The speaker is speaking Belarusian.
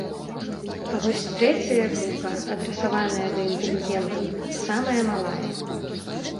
А вось трэцяя група, адрасаваная да інтэлігентаў, самая малая.